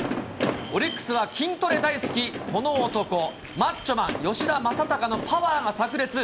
オリックスは筋トレ大好き、この男、マッチョマン、吉田正尚のパワーがさく裂。